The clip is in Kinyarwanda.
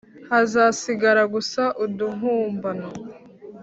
hazasigara gusa uduhumbano,